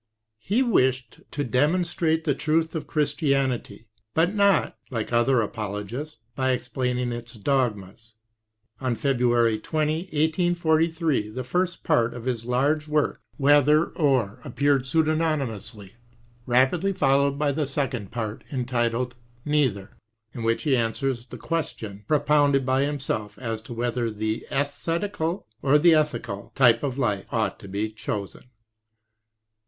He wished to demon strate the truth of Christianity, but not, like other apologists, by explaining its dogmas. On Feb. 20, 1843, the first part of his large work " Whethei^ Or" appeared pseudonymously, rapidly followed by the second part, entitled " Neither," in which he answers the question propounded by himself as to whether the esthetical or the ethical type of life ought to be chosen.